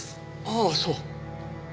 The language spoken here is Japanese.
ああそう。